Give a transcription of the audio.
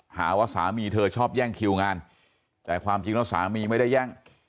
หาว่าสามีเธอชอบแย่งคิวงานแต่ความจริงแล้วสามีไม่ได้แย่ง